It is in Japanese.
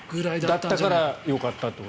だったからよかったんだ。